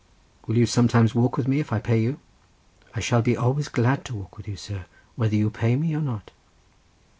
"Will you sometimes walk with me, if I pay you?" "I shall be always glad to walk with you, sir, whether you pay me or not."